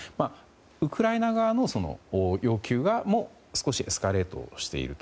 ウクライナ側の要求も少しエスカレートしていると。